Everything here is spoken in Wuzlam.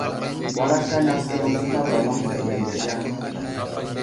War aslane aser məfətay baloŋ ənta gwənderiya.